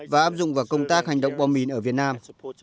và áp dụng vào công tác hành động bom mìn ở việt nam